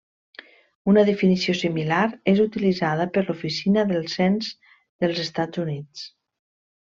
Una definició similar és utilitzada per l'Oficina del Cens dels Estats Units.